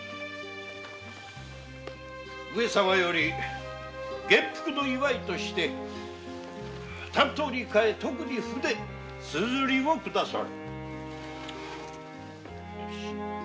上様より元服の祝いとして短刀に替え特に筆硯を下される。